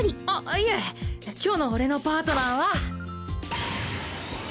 あっいえ今日の俺のパートナーは。